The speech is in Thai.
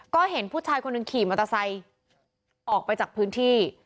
ก็เห็นผู้ชายคนหนึ่งขี่มอเตอร์ไซค์ออกไปจากพื้นที่